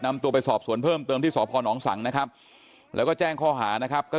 นำตัวไปสอบสวนเพิ่มเติมที่สพนสังนะครับแล้วก็แจ้งข้อหานะครับก็